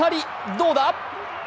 どうだ？